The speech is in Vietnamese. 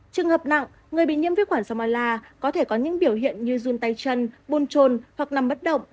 trường hợp nặng người bị nhiễm vi khuẩn samola có thể có những biểu hiện như run tay chân bùn trồn hoặc nằm bất động